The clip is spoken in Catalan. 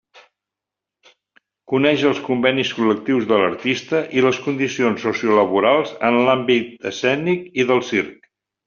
Coneix els convenis col·lectius de l'artista i les condicions sociolaborals en l'àmbit escènic i del circ.